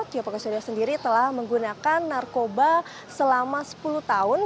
tio pakusadewa sendiri telah menggunakan narkoba selama sepuluh tahun